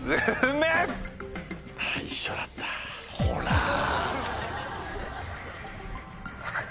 ほら！